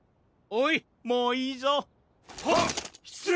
おいもういいぞ。